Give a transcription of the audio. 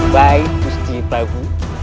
baik ustri prabu